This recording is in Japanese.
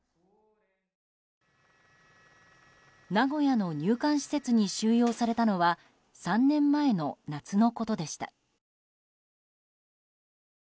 名古屋の入管施設に収容されたのは３年前の夏のことでした。